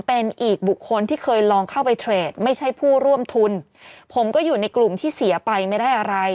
เป็นอีกบุคคลที่เคยลองเข้าไปเทรดไม่ใช่ผู้ร่วมทุนผมก็อยู่ในกลุ่มที่เสียไปไม่ได้อะไร